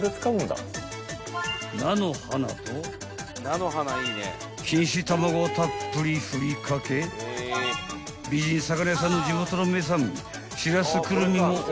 ［菜の花と錦糸卵をたっぷり振り掛け美人魚屋さんの地元の名産しらすくるみもオン］